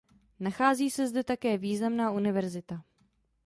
Nachází se zde také významná univerzita.